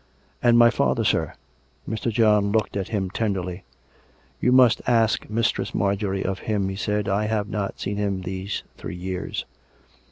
" And my father, sir ?" Mr. John looked at him tenderly. " You must ask Mistress Marjorie of him," he said. " I have not seen him these three years."